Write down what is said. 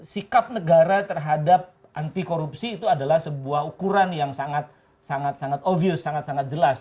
sikap negara terhadap anti korupsi itu adalah sebuah ukuran yang sangat sangat obvious sangat sangat jelas